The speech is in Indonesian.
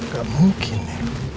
gak mungkin ya